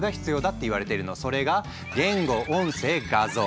それが言語音声画像。